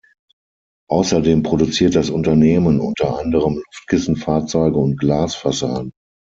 Außerdem produziert das Unternehmen unter anderem Luftkissenfahrzeuge und Glasfassaden.